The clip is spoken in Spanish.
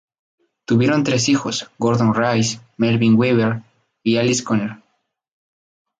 Tuvieron tres hijos: Gordon Rice, Melvin Weaver, y Alice Conner.